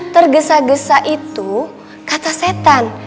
tergesa gesa itu kata setan